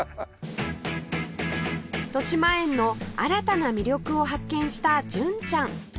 豊島園の新たな魅力を発見した純ちゃん